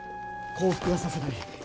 降伏はさせない。